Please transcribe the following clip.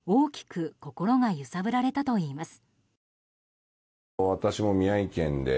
大きく心が揺さぶられたといいます。